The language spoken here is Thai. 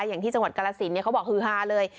อย่างที่จังหวัดกาลสินเขาบอกฮือฮาเลย